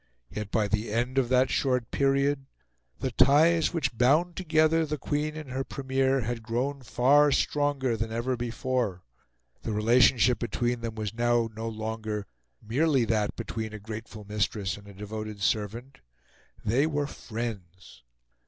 Yet by the end of that short period the ties which bound together the Queen and her Premier had grown far stronger than ever before; the relationship between them was now no longer merely that between a grateful mistress and a devoted servant: they were friends.